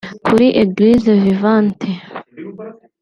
kuri Eglise Vivante